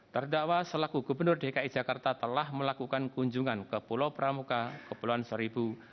terdakwa selaku gubernur dki jakarta telah melakukan kunjungan ke pulau pramuka kepulauan seribu